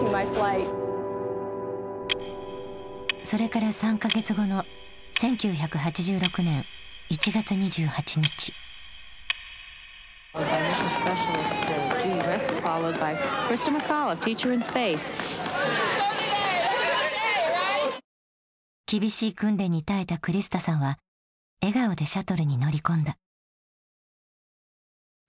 それから３か月後の厳しい訓練に耐えたクリスタさんは笑顔でシャトルに乗り込んだ。